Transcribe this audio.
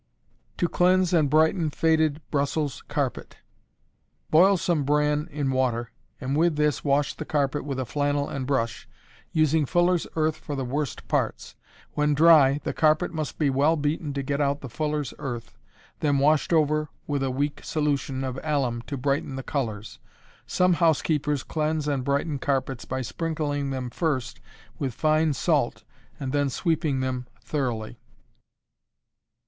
To Cleanse and Brighten Faded Brussels Carpet. Boil some bran in water and with this wash the carpet with a flannel and brush, using fuller's earth for the worst parts. When dry, the carpet must be well beaten to get out the fuller's earth, then washed over with a weak solution of alum to brighten the colors. Some housekeepers cleanse and brighten carpets by sprinkling them first with fine salt and then sweeping them thoroughly.